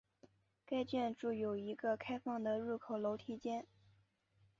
该建筑有一个开放的入口楼梯间。